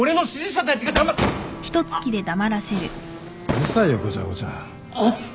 うるさいよごちゃごちゃ。